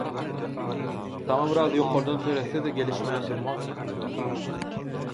Saňa biraz ýokardan seretse-de, gelişmän durmaz.